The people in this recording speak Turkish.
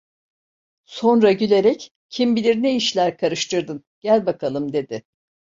Sonra gülerek: "Kim bilir ne işler karıştırdın! Gel bakalım!" dedi.